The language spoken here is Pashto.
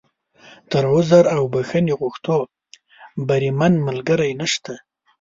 تر عذر او بښنې غوښتو، بریمن ملګری نشته.